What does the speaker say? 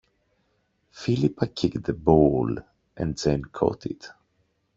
Philippa kicked the ball, and Jane caught it.